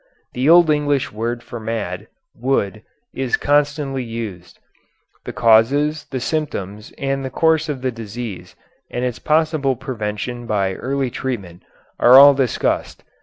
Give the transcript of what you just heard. The old English word for mad, wood, is constantly used. The causes, the symptoms, and course of the disease, and its possible prevention by early treatment, are all discussed.